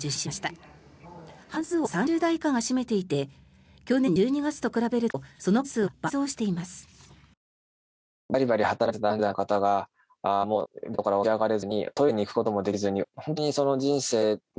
半数を３０代以下が占めていて去年１２月と比べるとその患者数は倍増しています。